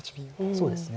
そうですね